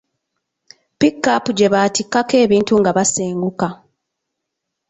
Pikaapu gye baatikako ebintu nga basenguka.